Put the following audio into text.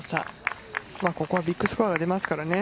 ここはビッグスコアが出ますからね。